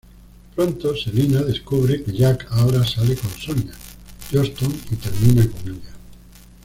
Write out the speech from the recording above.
Pronto Selina descubre que Jack ahora sale con Sonia Johnston y termina con ella.